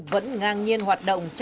vẫn ngang nhiên hoạt động